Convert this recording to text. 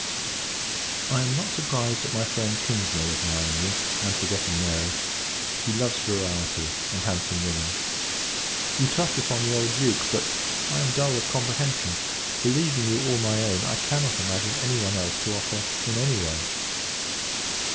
I am not surprised at my friend Kingsmill admiring you, and forgetting Mary; he loves variety, and handsome women. You touch upon the old Duke; but, I am dull of comprehension: believing you all my own, I cannot imagine any one else to offer, in any way.